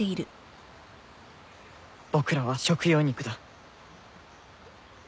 僕らは食用肉だ。